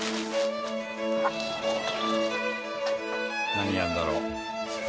何やるんだろう？